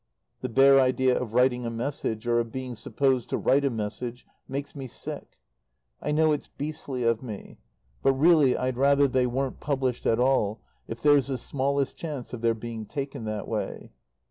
The bare idea of writing a message, or of being supposed to write a message, makes me sick. I know it's beastly of me, but, really I'd rather they weren't published at all, if there's the smallest chance of their being taken that way.